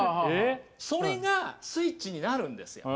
それがスイッチになるんですよ。